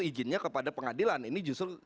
izinnya kepada pengadilan ini justru